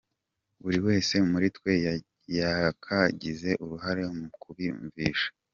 Buri wese muri twe yakagize uruhare mu kubibumvisha.